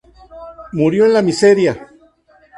Murió en la miseria"".